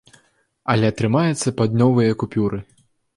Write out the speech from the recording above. Але атрымаецца пад новыя купюры.